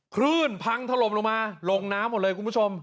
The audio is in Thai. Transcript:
คลื่นพังถล่มลงมาลงน้ำหมดเลยคุณผู้ชม